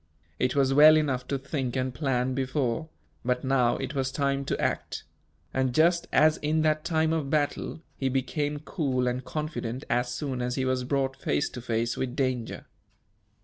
It was well enough to think and plan before but now, it was time to act; and, just as in that time of battle, he became cool and confident as soon as he was brought face to face with danger.